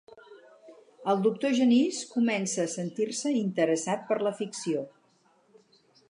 El doctor Genís comença a sentir-se interessat per la ficció.